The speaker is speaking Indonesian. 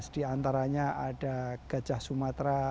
di antaranya ada gajah sumatera